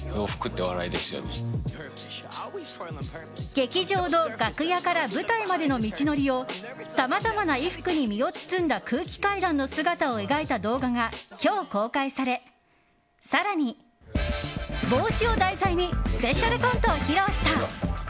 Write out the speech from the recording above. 劇場の楽屋から舞台までの道のりをさまざまな衣服に身を包んだ空気階段の姿を描いた動画が今日公開され更に、帽子を題材にスペシャルコントを披露した。